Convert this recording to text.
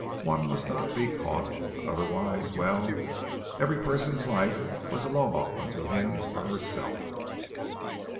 One must not be caught. But, otherwise, well, every person's life was a law unto him or herself.